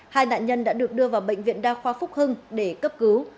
hai nạn nhân đã được đưa vào bệnh viện đa khoa phúc hưng để cấp cứu